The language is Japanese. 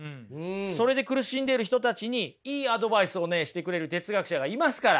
それで苦しんでいる人たちにいいアドバイスをしてくれる哲学者がいますから。